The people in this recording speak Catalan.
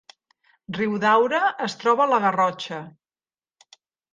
Riudaura es troba a la Garrotxa